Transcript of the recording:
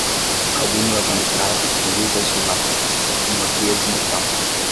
Alguém lavando pratos com luvas de látex em uma pia de metal.